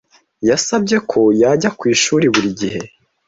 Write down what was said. Yasabye ko yajya ku ishuri buri gihe.